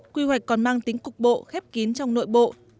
quy hoạch còn mang tính cục bộ khép kín trong nội bộ